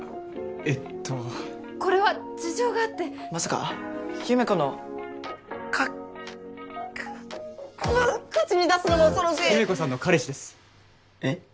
えっとこれは事情があってまさか優芽子のかかううっ口に出すのも恐ろしい優芽子さんの彼氏ですえっ？